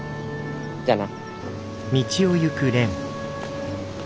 じゃあな。